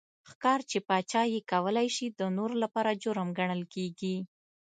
ښکار چې پاچا یې کولای شي د نورو لپاره جرم ګڼل کېږي.